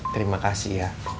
terima kasih ya